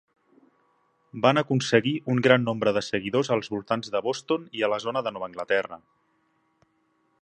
Van aconseguir un gran nombre de seguidors als voltants de Boston i a la zona de Nova Anglaterra.